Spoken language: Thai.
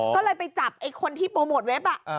ก็เลยไปจับไอ้คนที่โปรโมทเว็บ